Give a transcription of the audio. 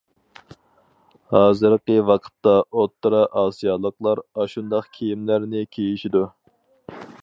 ھازىرقى ۋاقىتتا ئوتتۇرا ئاسىيالىقلار ئاشۇنداق كىيىملەرنى كىيىشىدۇ.